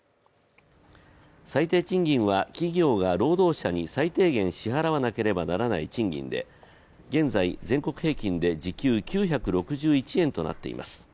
最低賃金は企業が労働者に最低限支払わなければならない賃金で現在、全国平均で時給９６１円となっています。